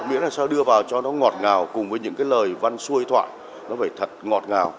nghĩa là sao đưa vào cho nó ngọt ngào cùng với những cái lời văn xuôi thoại nó phải thật ngọt ngào